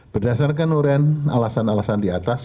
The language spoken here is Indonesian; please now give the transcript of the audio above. berdasarkan urean alasan alasan di atas